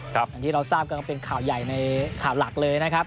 อย่างที่เราทราบกันก็เป็นข่าวใหญ่ในข่าวหลักเลยนะครับ